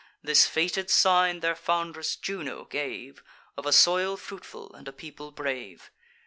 This fated sign their foundress Juno gave, Of a soil fruitful, and a people brave.